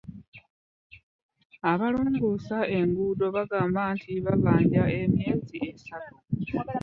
Abalongoosa enguudo bagamba nti babanja emyezi esatu.